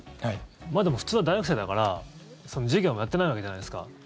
でも、普通は大学生だから事業もやってないわけじゃないですか。